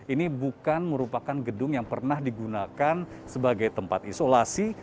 ini bukan merupakan gedung yang pernah digunakan sebagai tempat isolasi